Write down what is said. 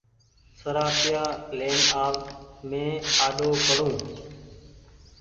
سرآتييآ لين آو مينٚ آڏو پڙون